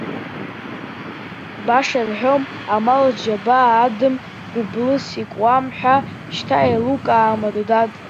Баша ирҳәом, амал зџьабаа адым гәыблыс икуам ҳәа, шьҭа еилукаама, дад?!